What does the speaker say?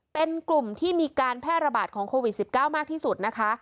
เป็นกลุ่มที่มีการแพร่ระบาดของโควิด๑๙มากที่สุดนะคะ